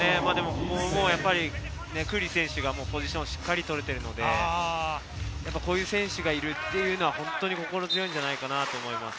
クーリー選手がポジションしっかり取れているので、こういう選手がいるというのは、本当に心強いんじゃないかなと思います。